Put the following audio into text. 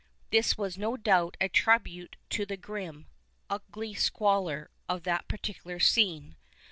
This was, no doubt, a tribute to the grim, ugly squalor of that particular scene.